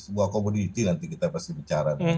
sebuah komoditi nanti kita pasti bicara